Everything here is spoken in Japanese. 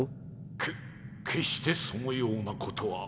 け決してそのようなことは。